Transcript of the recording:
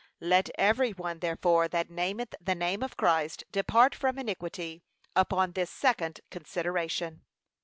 Let every one, therefore, that nameth the name of Christ, depart from iniquity, upon this second consideration.